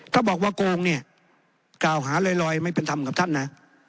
ถ้าบอกว่าโกงเนี่ยกล่าวหาลอยไม่เป็นธรรมกับท่านนะ